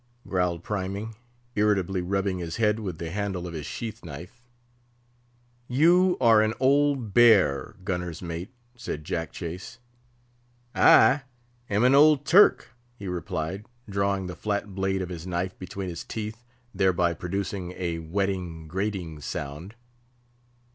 growled Priming, irritably rubbing his head with the handle of his sheath knife. "You are an old bear, gunner's mate," said Jack Chase. "I am an old Turk," he replied, drawing the flat blade of his knife between his teeth, thereby producing a whetting, grating sound.